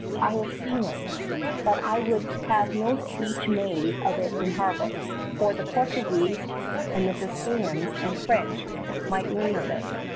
I have seen it but I would have no speech made of it in harbor; for the Portuguese and Biscayans and French might learn of it.